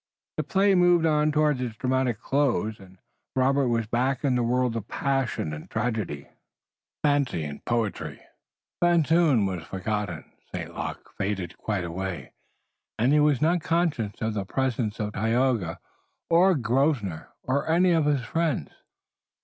The play moved on towards its dramatic close and Robert was back in the world of passion and tragedy, of fancy and poetry. Van Zoon was forgotten, St. Luc faded quite away, and he was not conscious of the presence of Tayoga, or of Grosvenor, or of any of his friends.